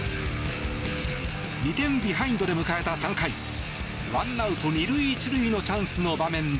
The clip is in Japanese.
２点ビハインドで迎えた３回１アウト２塁１塁のチャンスの場面で。